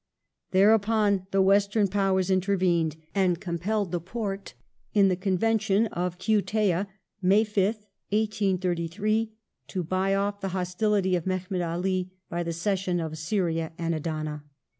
Thereupon the Western Powers inter vened, and compelled the Porte, in the Convention of Kiutayeh (May 5th, 1833) to buy off the hostility of Mehemet Ali by the cession of Syria and Adana.